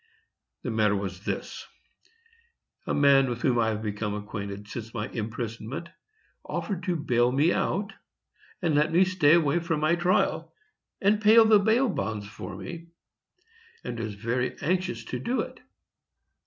The matter was this: A man with whom I have become acquainted since my imprisonment offered to bail me out and let me stay away from my trial, and pay the bail bonds for me, and was very anxious to do it.